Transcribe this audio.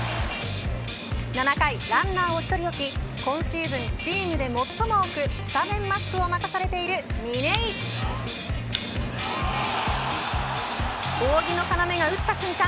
７回ランナーを１人置き今シーズンチームで最も多くスタメンマスクを任されている嶺井扇の要が打った瞬間